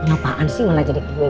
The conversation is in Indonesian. ngapain sih mau naik gaji dua dua